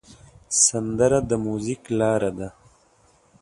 سندره د میوزیک لاره ده